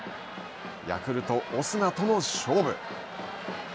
ヤクルト、オスナとの勝負。